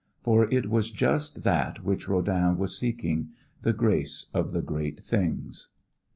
For it was just that which Rodin was seeking: the grace of the great things.